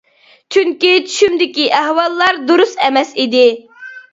چۈنكى چۈشۈمدىكى ئەھۋاللار دۇرۇس ئەمەس ئىدى.